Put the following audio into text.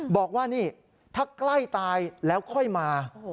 บอกว่านี่ถ้าใกล้ตายแล้วค่อยมา